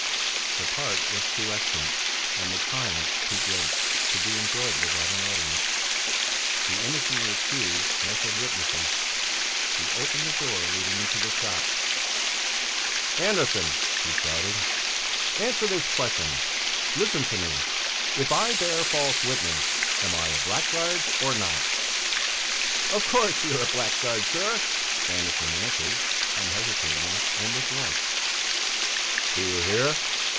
The part was too excellent and the triumph too great to be enjoyed without an audience. The innocently accused must have witnesses. He opened the door leading into the shop. "Andersson!" he shouted, "answer this question! Listen to me! If I bear false witness, am I a blackguard or not?" "Of course, you are a blackguard, sir!" Andersson answered unhesitatingly and with warmth. "Do you hear?